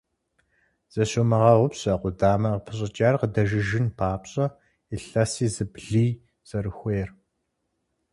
Зыщумыгъэгъупщэ къудамэ къыпыщӀыкӀар къыдэжыжын папщӀэ илъэси зыблый зэрыхуейр.